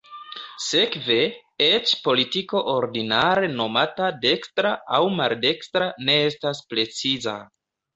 Sekve, eĉ politiko ordinare nomata "dekstra" aŭ "maldekstra" ne estas preciza.